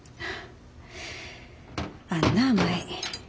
あんなぁ舞。